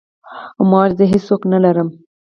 ما وويل زه هېڅ څوک نه لرم.